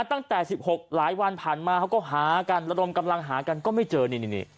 ตั้งแต่๑๖หลายวันผ่านมาเขาก็หากันระดมกำลังหากันก็ไม่เจอนี่นี่